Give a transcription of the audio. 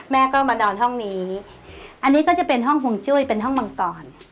แม่ก็มานอนห้องนี้อันนี้ก็จะเป็นห้องห่วงจุ้ยเป็นห้องมังกร